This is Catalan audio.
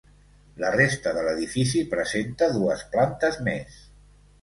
La resta de l'edifici presenta dues plantes més.